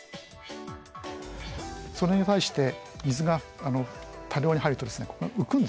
それに対して水が多量に入るとここが浮くんですね。